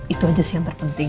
itu aja sih yang terpenting